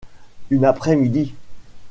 Une après-midi